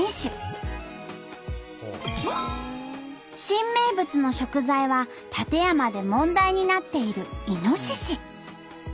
新名物の食材は館山で問題になっているイノシシ。